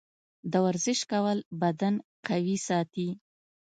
د ورزش کول بدن قوي ساتي.